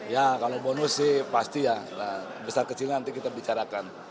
ya kalau bonus sih pasti ya besar kecilnya nanti kita bicarakan